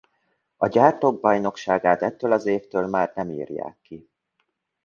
A Gyártók bajnokságát ettől az évtől már nem írják ki.